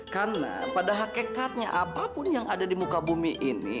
karena pada hakikatnya apapun yang ada di muka bumi ini